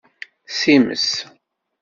Simes.